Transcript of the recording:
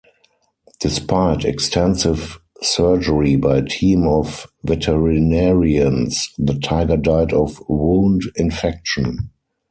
Despite extensive surgery by a team of veterinarians, the tiger died of wound infection.